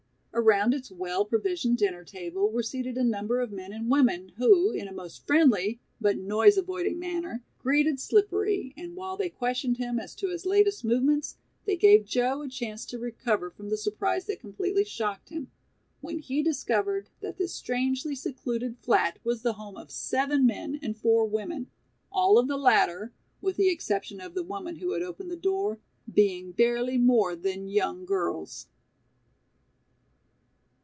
Around its well provisioned dinner table were seated a number of men and women who in a most friendly, but noise avoiding manner, greeted Slippery and while they questioned him as to his latest movements, they gave Joe a chance to recover from the surprise that completely shocked him, when he discovered that this strangely secluded flat was the home of seven men and four women, all of the latter with the exception of the woman who had opened the door being barely more than young girls.